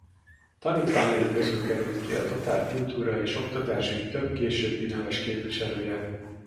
Tanítványai közül került ki a tatár kultúra és oktatásügy több későbbi neves képviselője.